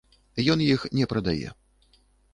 Ён іх не прадае.